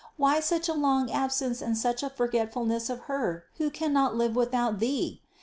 Why such a long ab sence and such a forgetfulness of her, who cannot live without Thee?